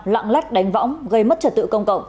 lạng lách đánh võng gây mất trật tự công cộng